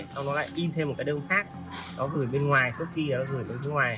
xong nó lại in thêm một cái đơn khác nó gửi bên ngoài shopee nó gửi bên ngoài